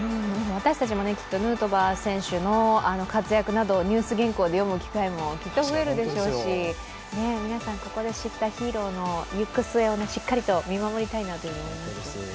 私たちもきっとヌートバー選手の活躍などをニュース原稿で読む機会もきっと増えるでしょうし、皆さん、ここで知ったヒーローの行く末をしっかりと見守りたいなと思います。